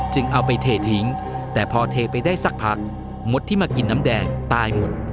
เอาไปเททิ้งแต่พอเทไปได้สักพักมดที่มากินน้ำแดงตายหมด